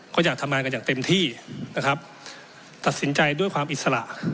ก็อยากทำงานกันอย่างเต็มที่นะครับตัดสินใจด้วยความอิสระ